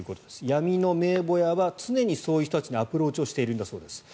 闇の名簿屋は常にそういう人たちにアプローチをしているんだそうです。